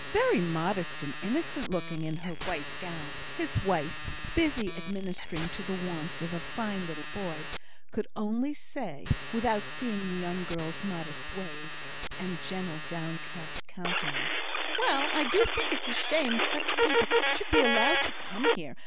Very modest and innocent looking in her white gown!" His wife, busy administering to the wants of a fine little boy, could only say (without seeing the young girl's modest ways, and gentle, downcast countenance): "Well! I do think it's a shame such people should be allowed to come here.